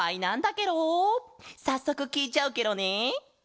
さっそくきいちゃうケロね！